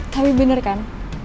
tapi bener kan